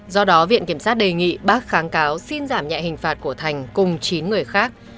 do đó viện kiểm sát đề nghị bác kháng cáo xin giảm nhẹ hình phạt của thành cùng chín người khác